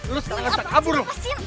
lu sekarang gak bisa kabur lu